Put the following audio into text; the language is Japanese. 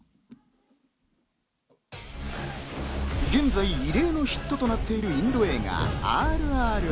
現在、異例のヒットとなっているインド映画『ＲＲＲ』。